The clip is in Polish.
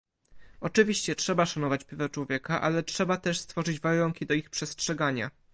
Oczywiście trzeba szanować prawa człowieka, ale trzeba też stworzyć warunki do ich przestrzegania